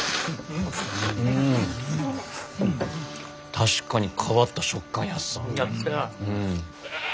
確かに変わった食感ヤッサ。